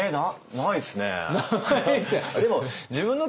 ないっすね。